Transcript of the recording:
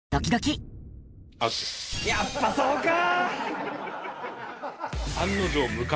やっぱそうか！